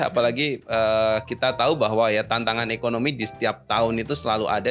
apalagi kita tahu bahwa ya tantangan ekonomi di setiap tahun itu selalu ada